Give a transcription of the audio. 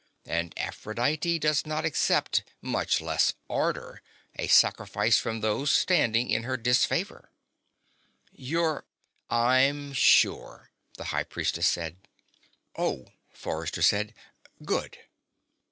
And Aphrodite does not accept much less order a sacrifice from those standing in her disfavor." "You're " "I'm sure," the High Priestess said. "Oh," Forrester said. "Good."